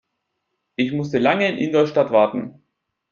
Ich musste lange in Ingolstadt warten